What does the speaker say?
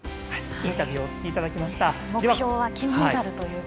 インタビューをお聞きいただきました。